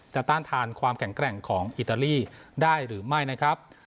ต้านทานความแข็งแกร่งของอิตาลีได้หรือไม่นะครับ